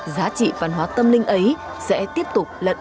giá trị văn hóa tâm linh ấy sẽ tiếp tục lận bộ